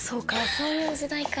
そういう時代か。